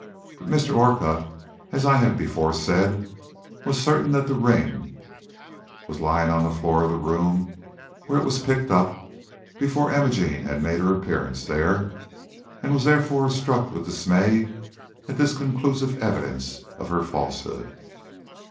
But Mr. Orcutt, as I have before said, was certain that the ring was lying on the floor of the room where it was picked up, before Imogene had made her appearance there, and was therefore struck with dismay at this conclusive evidence of her falsehood.